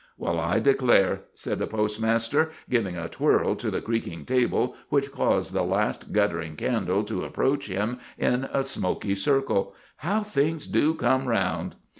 "Well, I declare," said the postmaster, giving a twirl to the creaking table which caused the last guttering candle to approach him in a smoky circle, "how things do come round!"